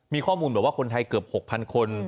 มีข้อมูลบอกว่าคนไทยเกือบ๖๐๐คน